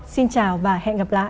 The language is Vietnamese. xin chào và hẹn gặp lại